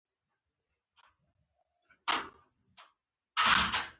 د لرغونو وسلو ښخېدو ځای معلوم شو.